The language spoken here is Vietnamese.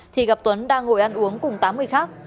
thì gặp tuấn đang ngồi ăn uống cùng tám người khác